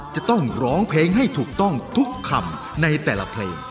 จะต้องร้องเพลงให้ถูกต้องทุกคำในแต่ละเพลง